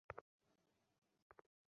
চল, ওরে মজা দেখাই।